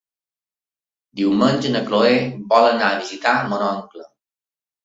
Diumenge na Cloè vol anar a visitar mon oncle.